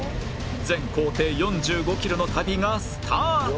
全行程４５キロの旅がスタート